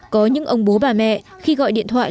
có những ông bố bà mẹ khi gọi điện thoại